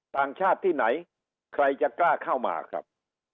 ต่างชาติที่ไหนใครจะกล้าเข้ามาครับ